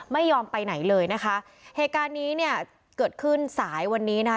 ไม่ยอมไปไหนเลยนะคะเหตุการณ์นี้เนี่ยเกิดขึ้นสายวันนี้นะคะ